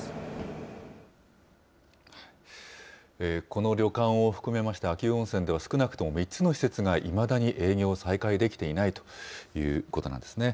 この旅館を含めまして秋保温泉では、少なくとも３つの施設がいまだに営業を再開できていないということなんですね。